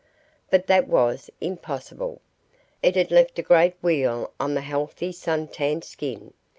But that was impossible. It had left a great weal on the healthy sun tanned skin.